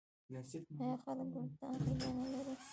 آیا خلک ورته عقیده نلري؟